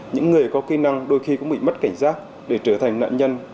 những người có kỹ năng đôi khi cũng bị mất cảnh giác để trở thành nạn nhân